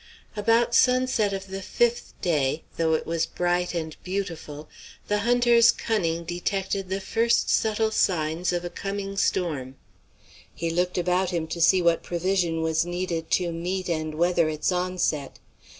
About sunset of the fifth day, though it was bright and beautiful, the hunter's cunning detected the first subtle signs of a coming storm. He looked about him to see what provision was needed to meet and weather its onset.